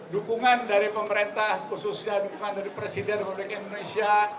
dukungan dari pemerintah khususnya dukungan dari presiden republik indonesia